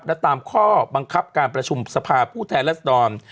และตามข้อบังคับการประชุมสภาผู้แทนรัศดร